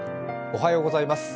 おはようございます。